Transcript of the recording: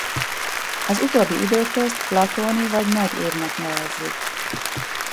Az utóbbi időközt platóni vagy nagy évnek nevezzük.